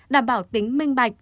đảm bảo tính minh bạch